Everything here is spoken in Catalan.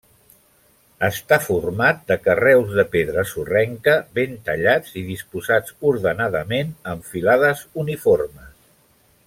Està format de carreus de pedra sorrenca, ben tallats i disposats ordenadament en filades uniformes.